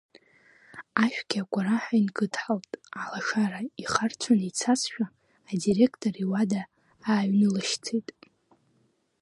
Ашәгьы агәараҳәа инкыдҳалт, алашара ихарцәаны ицазшәа, адиректор иуада ааҩнылашьцеит.